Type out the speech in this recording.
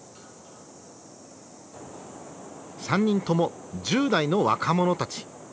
３人とも１０代の若者たち。